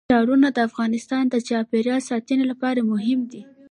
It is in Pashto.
ښارونه د افغانستان د چاپیریال ساتنې لپاره مهم دي.